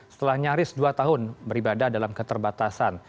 setelah nyaris dua tahun beribadah dalam keterbatasan